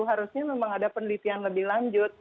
harusnya memang ada penelitian lebih lanjut